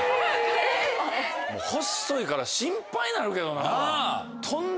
細いから心配になるけどな。